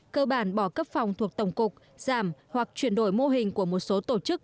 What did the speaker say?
cơ bản bỏ cấp phòng thuộc tổng cục giảm hoặc chuyển đổi mô hình của một số tổ chức